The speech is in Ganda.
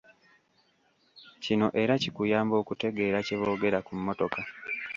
Kino era kikuyamba okutegeera kye boogera ku mmotoka.